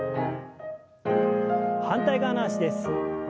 反対側の脚です。